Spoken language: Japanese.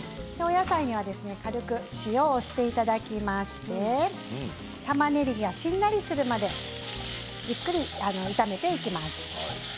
この野菜には軽く塩をしていただきましてたまねぎが、しんなりするまでゆっくり炒めていきます。